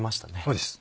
そうです